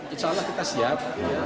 insya allah kita siap